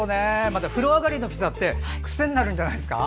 また風呂上がりのピザって癖になるんじゃないですか。